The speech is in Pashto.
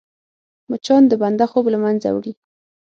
مچان د بنده خوب له منځه وړي